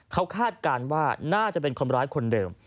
เขาคาดการณ์ว่าน่าจะเป็นคนร้ายคนเดิม